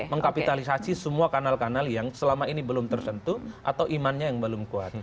mengkapitalisasi semua kanal kanal yang selama ini belum tersentuh atau imannya yang belum kuat